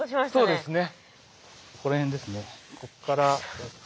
そうですね。